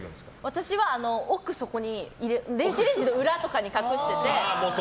私は奥底電子レンジの裏とかに隠してて。